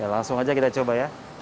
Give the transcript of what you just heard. langsung aja kita coba ya